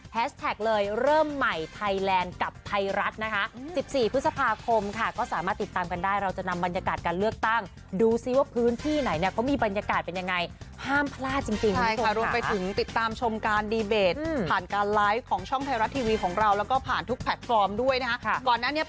เลยเริ่มใหม่ไทยแลนด์กับไทยรัฐนะคะสิบสี่พฤษภาคมค่ะก็สามารถติดตามกันได้เราจะนำบรรยากาศการเลือกตั้งดูซิว่าพื้นที่ไหนเนี่ยเขามีบรรยากาศเป็นยังไงห้ามพลาดจริงจริงนะคะรวมไปถึงติดตามชมการดีเบตผ่านการไลฟ์ของช่องไทยรัฐทีวีของเราแล้วก็ผ่านทุกแพลตฟอร์มด้วยนะคะก่อนนั้นเนี่ย